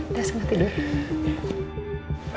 udah sekarang tidur